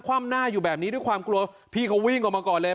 ว่ำหน้าอยู่แบบนี้ด้วยความกลัวพี่เขาวิ่งออกมาก่อนเลย